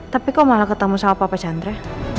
tapi kok malah ketemu sama papa chandra